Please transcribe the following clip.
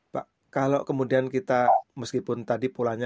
pak kalau kemudian kita meskipun tadi polanya